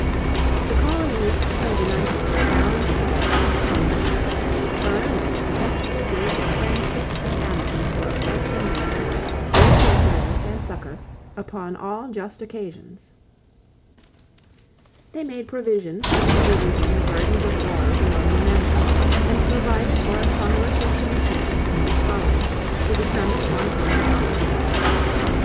The colonies so united were bound together in "a firm and perpetual league of friendship and amity for offense and defense, mutual service and succor, upon all just occasions." They made provision for distributing the burdens of wars among the members and provided for a congress of commissioners from each colony to determine upon common policies.